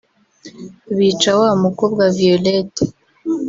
bica wa mukobwa Violette